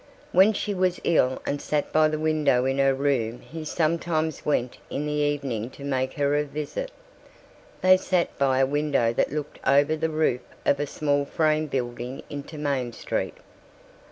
When she was ill and sat by the window in her room he sometimes went in the evening to make her a visit. They sat by a window that looked over the roof of a small frame building into Main Street.